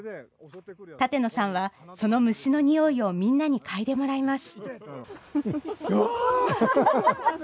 舘野さんは、その虫のにおいをみんなにかいでもらいます。